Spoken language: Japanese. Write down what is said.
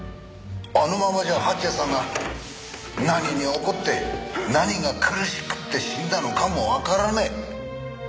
あのままじゃ蜂矢さんが何に怒って何が苦しくて死んだのかもわからねえ。